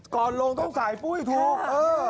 ก่อนลงต้องสายปุ้ยถูก